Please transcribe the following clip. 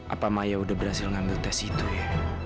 apa maya udah berhasil ngambil tes itu ya